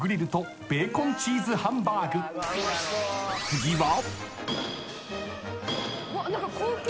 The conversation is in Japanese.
［次は］